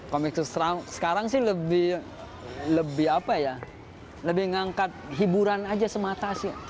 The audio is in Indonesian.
komik strip sekarang sih lebih lebih apa ya lebih ngangkat hiburan aja semata sih